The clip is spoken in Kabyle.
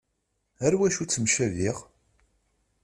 Ɣer wacu ttemcabiɣ?